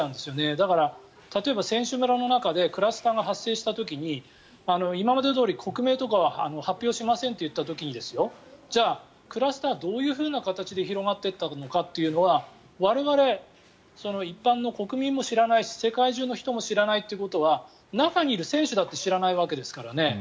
だから例えば選手村の中でクラスターが発生した時に今までどおり国名とかは発表しませんといった時にじゃあ、クラスターはどういう形で広がっていったのかというのは我々、一般の国民も知らないし世界中の人も知らないということは中にいる選手だって知らないわけですからね。